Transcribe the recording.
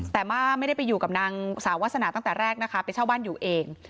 แต่ว่าไม่ได้ไปอยู่กับนางสาววาสนาตั้งแต่แรกนะคะไปเช่าบ้านอยู่เอง